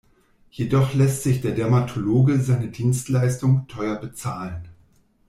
Jedoch lässt sich der Dermatologe seine Dienstleistung teuer bezahlen.